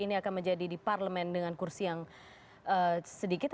ini akan menjadi di parlemen dengan kursi yang sedikit